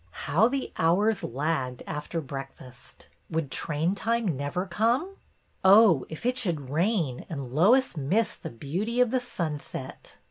How the hours lagged, after breakfast ! Would train time never come? Oh, if it should rain and Lois miss the beauty of the sunset!